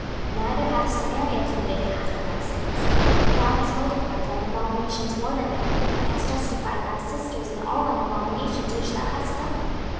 26:016:051 Neither hath Samaria committed half of thy sins; but thou hast multiplied thine abominations more than they, and hast justified thy sisters in all thine abominations which thou hast done.